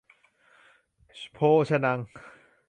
โภชะนัง